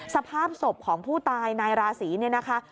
สภาพศพของผู้ตายนายราศีเนี่ยนะคะ